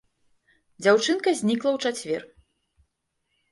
Дзяўчынка знікла ў чацвер.